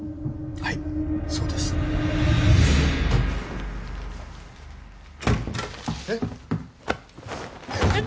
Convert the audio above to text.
はいそうですえっ？